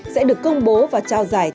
sẽ được công bố và trả lời